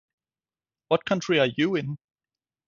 What country are you in?